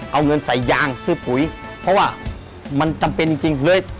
เอาเงินใส่ยางซื้อปุ๋ยเพราะว่ามันจำเป็นจริงเลย